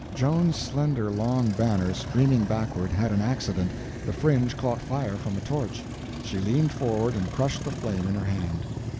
Joan's slender long banner streaming backward had an accident—the fringe caught fire from a torch. She leaned forward and crushed the flame in her hand.